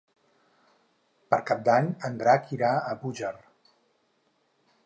Per Cap d'Any en Drac irà a Búger.